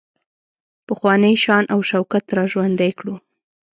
پخوانی شان او شوکت را ژوندی کړو.